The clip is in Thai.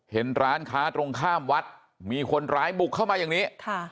เห็นร้านค้าตรงข้ามวัดมีคนร้ายบุกเข้ามาอย่างนี้